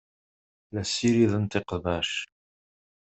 La ssirident iqbac.